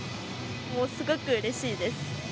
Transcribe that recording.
すごくうれしいです。